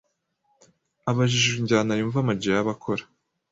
Abajijwe injyana yumva Am G yaba akora,